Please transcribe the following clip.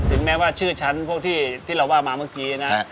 แม้ว่าชื่อฉันพวกที่เราว่ามาเมื่อกี้นะ